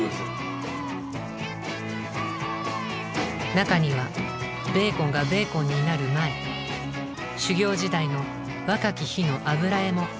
中にはベーコンがベーコンになる前修業時代の若き日の油絵も含まれていました。